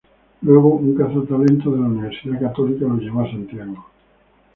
Luego, un cazatalentos de la Universidad Católica lo llevó a Santiago.